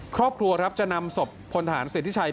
ครอบครัวจะนำศพพลทหารสิทธิชัย